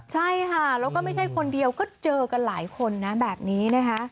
ใช่ค่ะแล้วก็ไม่ใช่คนเดียวก็เจอกันหลายคนนะแบบนี้นะคะ